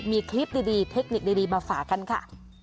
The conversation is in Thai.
มีคลิปดีเทคนิคดีมาฝากกันค่ะ